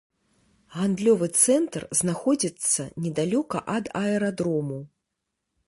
Гандлёвы цэнтр знаходзіцца недалёка ад аэрадрому.